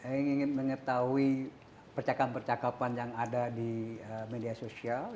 jadi memang kita ingin mengetahui percakapan percakapan yang ada di media sosial